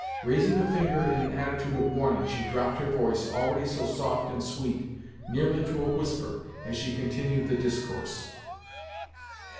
Raising a finger in an attitude of warning, she dropped her voice, already so soft and sweet, nearly to a whisper, as she continued the discourse.